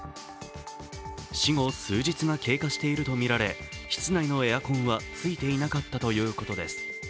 死後数日が経過しているとみられ室内のエアコンはついていなかったということです。